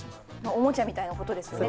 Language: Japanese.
おもちゃみたいなことですよね